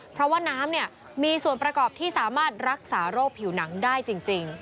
เพราะว่าน้ำมีส่วนประกอบที่สามารถรักษาโรคผิวหนังได้จริง